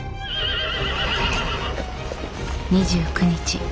２９日。